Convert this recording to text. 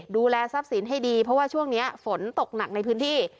ดูแลทรัพย์สินให้ดีเพราะว่าช่วงนี้ฝนตกหนักในพื้นที่